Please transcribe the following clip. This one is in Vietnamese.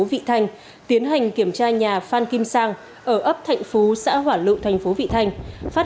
vị thành tiến hành kiểm tra nhà phan kim sàng ở ấp thành phố xã hỏa lựu thành phố vị thành phát